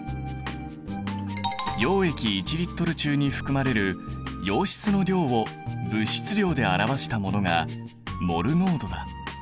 溶液１Ｌ中に含まれる溶質の量を物質量で表したものがモル濃度だ。